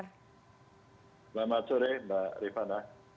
selamat sore mbak rifana